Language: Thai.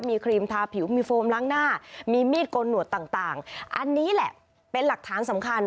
มีครีมทาผิวมีโฟมล้างหน้ามีมีดโกนหนวดต่างอันนี้แหละเป็นหลักฐานสำคัญ